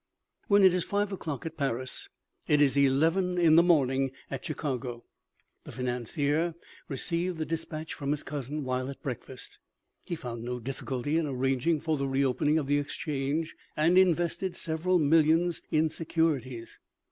When it is five o'clock at Paris it is eleven in the 74 OMEGA. morning at Chicago. The financier received the de spatch from his cousin while at breakfast. He found no difficulty in arranging for the reopening of the exchange and invested several millions in securities.